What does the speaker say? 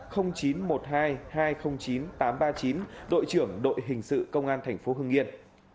đội trưởng đội hình sự công an tp hưng yên